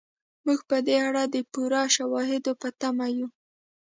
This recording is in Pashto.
موږ په دې اړه د پوره شواهدو په تمه یو.